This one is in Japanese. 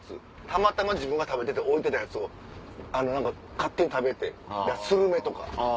たまたま自分が食べてて置いてたやつを勝手に食べてスルメとか。